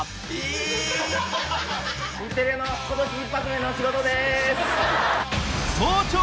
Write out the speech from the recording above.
日テレの今年一発目の仕事です。